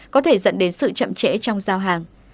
có thể dẫn đến sự chậm trễ trong giao hàng